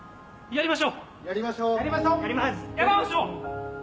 やりましょう。